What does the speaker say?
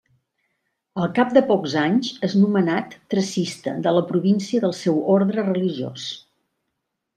Al cap de pocs anys és nomenat tracista de la província del seu orde religiós.